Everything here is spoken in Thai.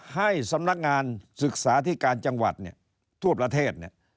ให้สำนักงานศึกษาอธิการจังหวัดทั่วประเทศ